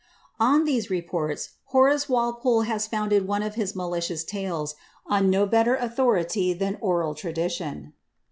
On these reports Horace Walpole has founded one of his malicioot tales, on no better authority than oral tradition.